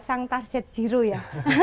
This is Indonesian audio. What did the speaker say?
sang tarzit zero ya